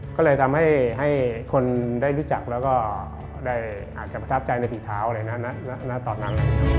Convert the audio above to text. ก็เลยทำให้คนได้รู้จักแล้วก็ได้อาจจะประทับใจในฝีเท้าอะไรนะณตอนนั้น